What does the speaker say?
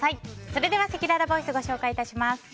それではせきららボイスご紹介致します。